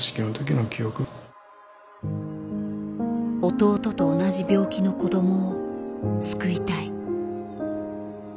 「弟と同じ病気の子どもを救いたい」。